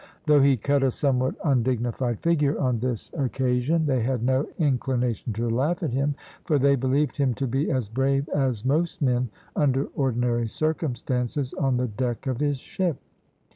Though he cut a somewhat undignified figure on this occasion they had no inclination to laugh at him, for they believed him to be as brave as most men under ordinary circumstances on the deck of his ship.